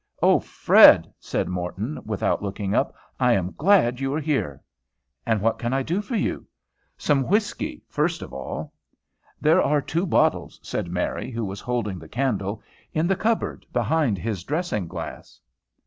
"O Fred," said Morton, without looking up, "I am glad you are here." "And what can I do for you?" "Some whiskey, first of all." "There are two bottles," said Mary, who was holding the candle, "in the cupboard, behind his dressing glass."